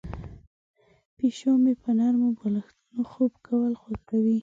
پیشو مې په نرمو بالښتونو خوب کول خوښوي.